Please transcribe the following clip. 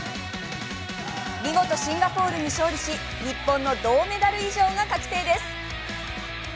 見事シンガポールに勝利し日本の銅メダル以上が確定です。